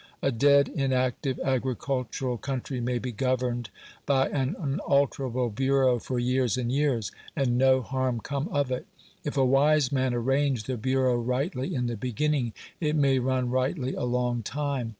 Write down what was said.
A dead, inactive, agricultural country may be governed by an unalterable bureau for years and years, and no harm come of it. If a wise man arranged the bureau rightly in the beginning, it may run rightly a long time.